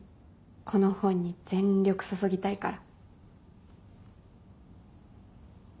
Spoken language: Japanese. この本に全力注ぎたいから。